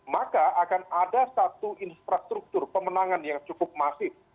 maka akan ada satu infrastruktur pemenangan yang cukup masif